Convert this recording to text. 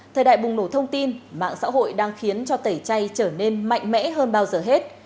thời đại bùng nổ thông tin mạng xã hội đang khiến cho tẩy chay trở nên mạnh mẽ hơn bao giờ hết